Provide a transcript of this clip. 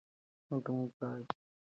د موبایل اخیستل ساده مالي موخه ده.